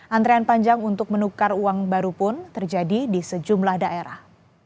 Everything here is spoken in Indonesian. antrean panjang untuk menukar uang baru pun terjadi di sejumlah daerah